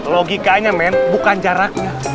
logikanya men bukan jaraknya